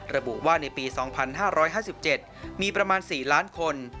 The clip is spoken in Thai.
ระบุว่าในปี๒๕๕๗มีประมาณ๔ล้านคน